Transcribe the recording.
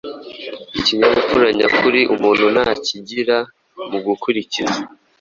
Ikinyabupfura nyakuri umuntu ntacyigira mu gukurikiza